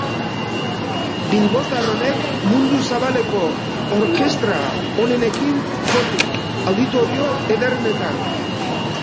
Bilbotar honek mundu zabaleko orkestra onenekin jo du, auditorio ederrenetan.